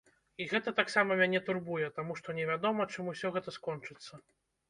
І гэта таксама мяне турбуе, таму што невядома, чым усё гэта скончыцца.